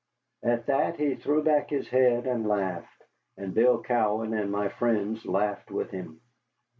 At that he threw back his head and laughed, and Bill Cowan and my friends laughed with him.